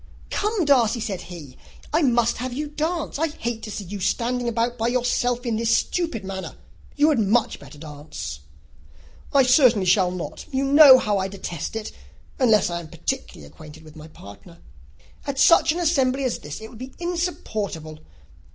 "Come, Darcy," said he, "I must have you dance. I hate to see you standing about by yourself in this stupid manner. You had much better dance." "I certainly shall not. You know how I detest it, unless I am particularly acquainted with my partner. At such an assembly as this, it would be insupportable.